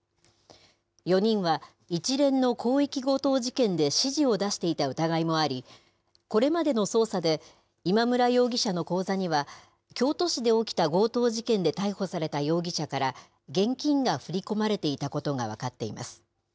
４人は一連の広域強盗事件で指示を出していた疑いもあり、これまでの捜査で、今村容疑者の口座には、京都市で起きた強盗事件で逮捕された容疑者から、現金が振り込まれていたことが分かっています。